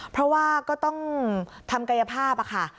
เพราะว่าก็ต้องทำกายภาพค่ะ